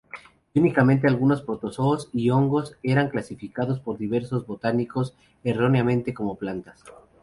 Y únicamente algunos protozoos y hongos eran clasificados por diversos botánicos erróneamente como plantas.